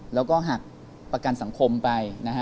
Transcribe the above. แล้วก็หักประกันสังคมไปนะฮะ